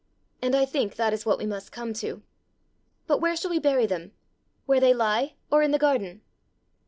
and I think that is what we must come to. But where shall we bury them? where they lie, or in the garden?"